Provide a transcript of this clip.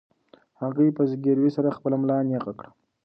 هغې په زګیروي سره خپله ملا نېغه کړه.